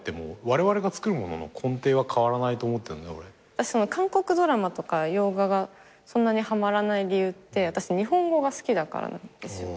私韓国ドラマとか洋画がそんなにはまらない理由って私日本語が好きだからなんですよ。